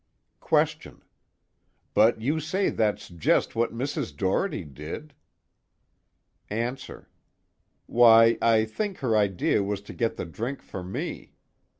QUESTION: But you say that's just what Mrs. Doherty did. ANSWER: Why, I think her idea was to get the drink for me.